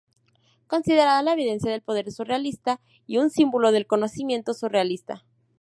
Considerada la evidencia del poder surrealista y un símbolo del conocimiento surrealista.